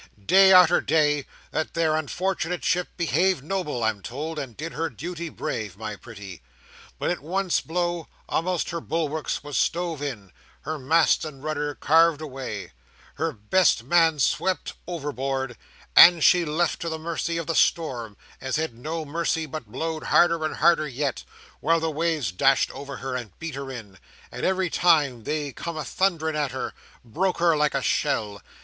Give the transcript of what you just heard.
Day arter day that there unfort'nate ship behaved noble, I'm told, and did her duty brave, my pretty, but at one blow a'most her bulwarks was stove in, her masts and rudder carved away, her best man swept overboard, and she left to the mercy of the storm as had no mercy but blowed harder and harder yet, while the waves dashed over her, and beat her in, and every time they come a thundering at her, broke her like a shell.